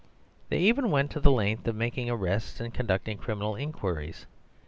They even went to the length of making arrests and conducting criminal inquiries.